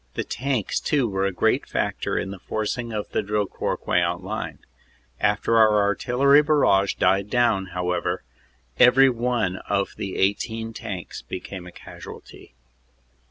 The tanks, too, were a great factor in the forcing of the Dro court Queant line. After our artillery barrage died down, however, every one of the 1 8 tanks became a casualty.